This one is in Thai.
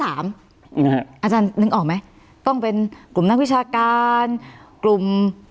อาจารย์นึกออกไหมต้องเป็นกลุ่มนักวิชาการกลุ่ม